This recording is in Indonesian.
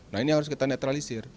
nah ini yang harus kita netralisir